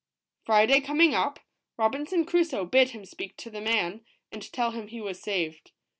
Friday coming up, Robinson Crusoe bid him speak to the man, and tell him he was saved.